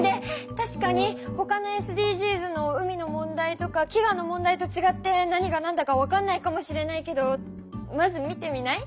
たしかにほかのＳＤＧｓの海の問題とかきがの問題とちがって何が何だか分かんないかもしれないけどまず見てみない？